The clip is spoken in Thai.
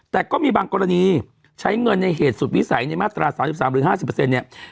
แต่ก็มีบางกรณีใช้เงินในเหตุสุดวิสัยในมาตราสามสิบสามหรือห้าสิบเปอร์เซ็นต์เนี้ย